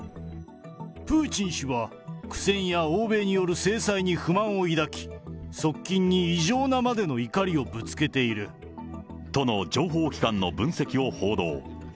プーチン氏は、苦戦や欧米による制裁に不満を抱き、側近に異常なまでの怒りをぶつけている。との情報機関の分析を報道。